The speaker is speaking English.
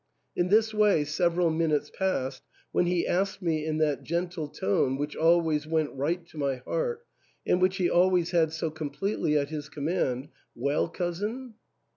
In this way several minutes passed, when he asked me in that gentle tone which always went right to my heart, and which he always had so completely at his command, *' Well, cousin